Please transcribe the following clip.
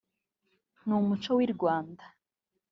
ni umuco w’i Rwanda